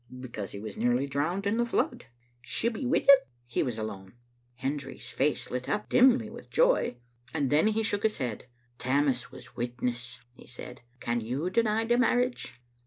" Because he was nearly drowned in the flood." "She'll be wi' him?" " He was alone. " Hendry's face lit up dimly with joy, and then he shook his head. "Tammas was witness/' he said. "Can you deny the marriage?"